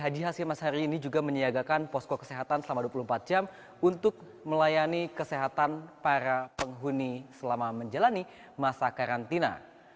masjid raya k i haji hasim asyari ini juga menyiagakan posko kesehatan selama dua puluh empat jam untuk melayani kesehatan para penghuni selama menjalani masa karantina